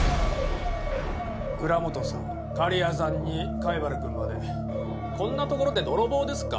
蔵本さん狩屋さんに貝原くんまでこんなところで泥棒ですか？